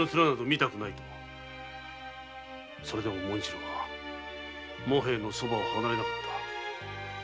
それでも紋次郎は茂平のそばを離れなかった。